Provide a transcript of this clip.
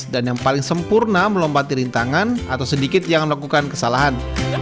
dan yang paling sempurna melompati rintangan atau sedikit yang melakukan kesalahan